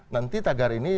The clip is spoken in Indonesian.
nanti tagar ini